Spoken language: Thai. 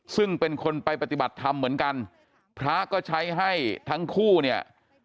ซึ่งเป็นคนไปปฏิบัติธรรมเหมือนกันพระก็ใช้ให้ทั้งคู่เนี่ย